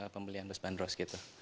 pembelian bus bandros